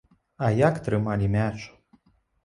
А як трымалі мяч!